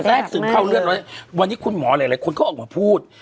มันแทรกซึมเข้าห้องเลือดวันนี้คุณหมอหลายคนเขาออกมาพูด